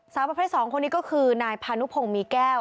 สาวประเภทสองคนนี้ก็คือนายพานุพงมีแก้ว